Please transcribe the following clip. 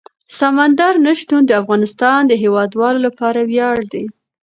سمندر نه شتون د افغانستان د هیوادوالو لپاره ویاړ دی.